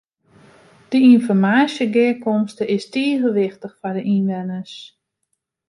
De ynformaasjegearkomste is tige wichtich foar de ynwenners.